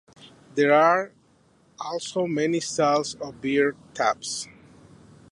There are also many styles of beer taps.